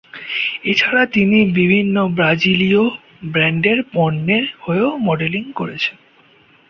এছাড়া তিনি বিভিন্ন ব্রাজিলীয় ব্র্যান্ডের পণ্যের হয়েও মডেলিং করেছেন।